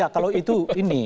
ya kalau itu ini